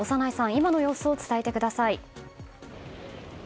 今の様子を伝えてください。